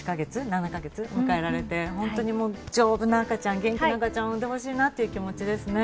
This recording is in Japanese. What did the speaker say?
７か月？を迎えられて、丈夫な赤ちゃん、元気な赤ちゃんを生んでほしいなという気持ちです。